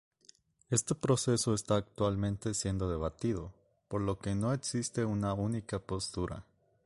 Este proceso está actualmente siendo debatido, por lo que no existe una única postura.